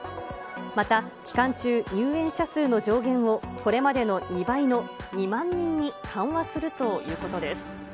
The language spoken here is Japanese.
また、期間中、入園者数の上限をこれまでの２倍の２万人に緩和するということです。